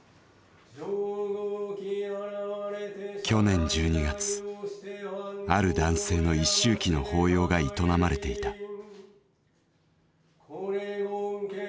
去年１２月ある男性の一周忌の法要が営まれていた。